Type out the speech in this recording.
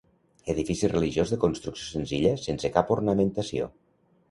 Edifici religiós de construcció senzilla sense cap ornamentació.